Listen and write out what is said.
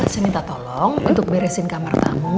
saya minta tolong untuk beresin kamar tamu